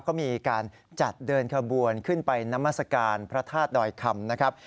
เขามีการจัดเดินขบวนขึ้นไปนามัศกาลพระธาตุดอยคำนะครับ